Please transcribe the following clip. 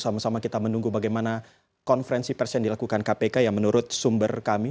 sama sama kita menunggu bagaimana konferensi persen dilakukan kpk ya menurut sumber kami